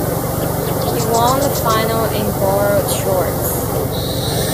He won the final in borrowed shorts.